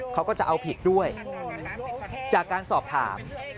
เขาก็จะเอาผิดด้วยจากการสอบถาม